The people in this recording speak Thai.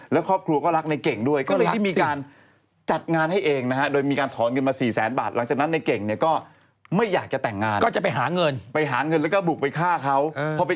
แล้วก่อนที่จะมีการถูกจับกลุ่มไป